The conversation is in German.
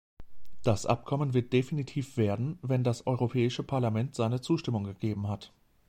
Das Abkommen wird definitiv werden, wenn das Europäische Parlament seine Zustimmung gegeben hat.